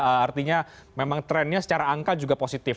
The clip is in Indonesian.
artinya memang trennya secara angka juga positif